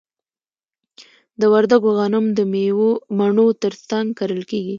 د وردګو غنم د مڼو ترڅنګ کرل کیږي.